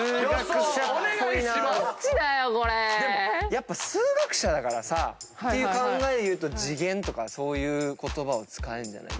やっぱ数学者だからさっていう考えでいうと「次元」とかそういう言葉を使うんじゃない。